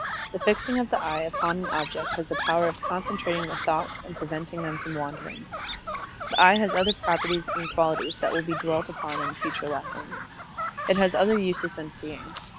The fixing of the eye upon an object has the power of concentrating the thoughts and preventing them from wandering. The eye has other properties and qualities that will be dwelt upon in future lessons. It has other uses than seeing.